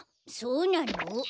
そうなの？